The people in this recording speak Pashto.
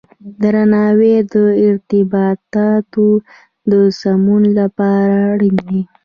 درناوی د ارتباطاتو د سمون لپاره اړین دی.